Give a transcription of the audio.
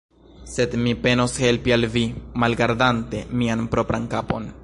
Sed mi penos helpi al vi, malgardante mian propran kapon.